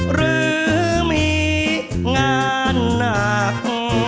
หรือมีงานหนัก